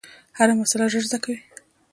هره مسئله ژر زده کوي.